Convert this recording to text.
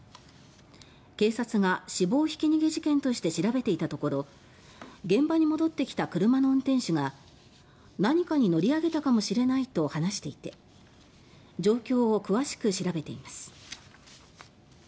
警察が死亡ひき逃げ事件として調べていたところ現場に戻ってきた車の運転手が何かに乗り上げたかもしれないと話していて状況を詳しく調べています。